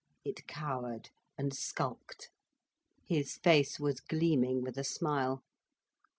It cowered and skulked. His face was gleaming with a smile.